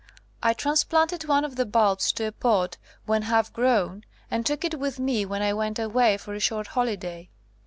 I transplanted one of the bulbs to a pot when half grown, and took it with me when I went away for a short holiday.